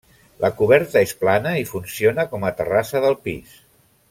La coberta és plana i funciona com a terrassa del pis.